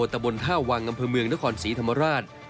ตะบนท่าวังอำเภอเมืองนครศรีธรรมราช